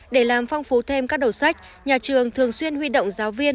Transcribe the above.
để làm phong phú thêm các đầu sách nhà trường thường xuyên huy động giáo viên